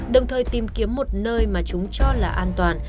đồng thời tìm kiếm một nơi mà chúng cho là an toàn